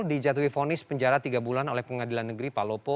diantui fonis penjara tiga bulan oleh pengadilan negeri palopo